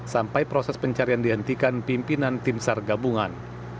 sampai proses pencarian dihentikan pimpinan tim sargabungan